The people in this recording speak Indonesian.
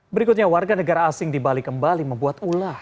berikutnya warga negara asing di bali kembali membuat ulah